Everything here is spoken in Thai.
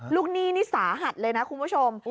หนี้นี่สาหัสเลยนะคุณผู้ชม